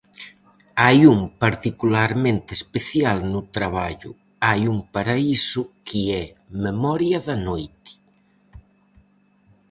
Hai un particularmente especial no traballo Hai un paraíso que é Memoria da noite.